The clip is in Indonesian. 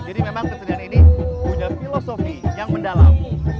jadi memang kesinihan ini punya filosofi yang mendalam